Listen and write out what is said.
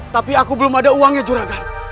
tapi aku belum ada uangnya juragan